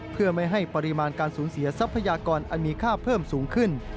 เพื่อไม่ให้ปริมาณการสูญเสียทรัพยากรอันมีค่าเพิ่มสูงขึ้น